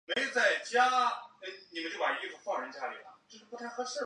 关内车站的铁路车站。